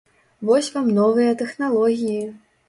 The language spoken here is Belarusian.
Вось вам новыя тэхналогіі!